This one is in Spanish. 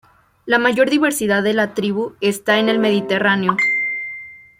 La mayor diversidad de la tribu está en el Mediterráneo.